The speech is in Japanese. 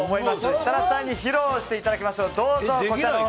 設楽さんに披露していただきましょう。